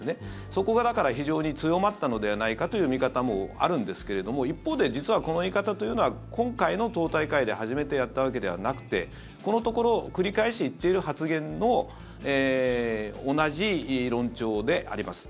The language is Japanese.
そこが、だから非常に強まったのではないかという見方もあるんですけれども一方で実はこの言い方というのは今回の党大会で初めてやったわけではなくてこのところ繰り返し言っている発言の同じ論調であります。